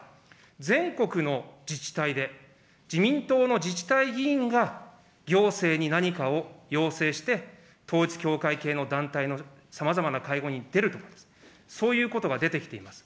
全国の自治体で、自民党の自治体議員が、行政に何かを要請して、統一教会系の団体のさまざまな会合に出ると、そういうことが出てきています。